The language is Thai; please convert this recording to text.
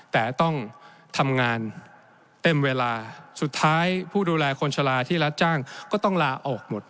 แต่ต้องทำงานเต็มเวลาสุดท้ายผู้ดูแลคนชะลาที่รับจ้างก็ต้องลาออกหมด